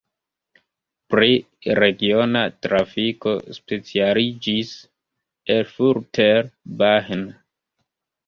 Pri regiona trafiko specialiĝis Erfurter Bahn.